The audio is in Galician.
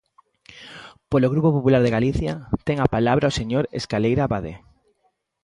Polo Grupo Popular de Galicia, ten a palabra o señor Escaleira Abade.